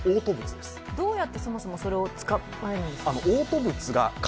どうやってそもそもそれを捕まえるんですか？